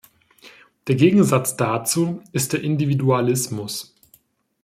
Der Gegensatz dazu ist der Individualismus.